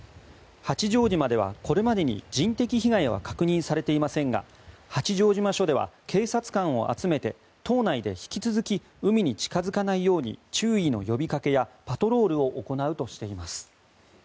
八丈島では、これまでに人的被害は確認されていませんが八丈島署では警察官を集めて島内で引き続き海に近付かないように注意の呼びかけやパトロールを行うとしています。